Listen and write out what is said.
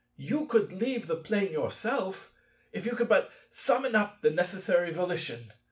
You could leave the Plane yourself, if you could but summon up the necessary volition.